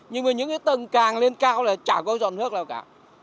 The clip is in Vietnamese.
nhưng mà những cái tầng càng lên cao là chả có giọt nước nào cả